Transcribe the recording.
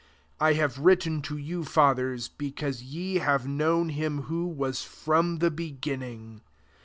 14 I lave written to you, fathers, be cause ye have known him who ^as from the beginning.